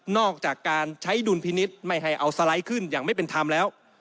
อกจากการใช้ดุลพินิษฐ์ไม่ให้เอาสไลด์ขึ้นอย่างไม่เป็นธรรมแล้ว